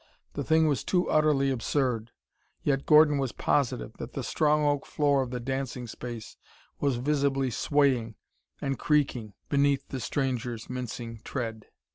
The thing was too utterly absurd yet Gordon was positive that the strong oak floor of the dancing space was visibly swaying and creaking beneath the stranger's mincing tread!